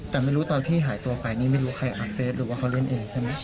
แต่ไม่รู้ตอนที่หายตัวไปนี่ไม่รู้ใครอัดเฟสหรือว่าเขาเล่นเองใช่ไหม